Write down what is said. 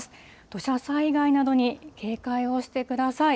土砂災害などに警戒をしてください。